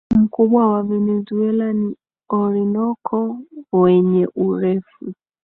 mkubwa wa Venezuela ni Orinoco wenye urefu